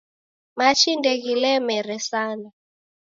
Machi ndeghilemere sana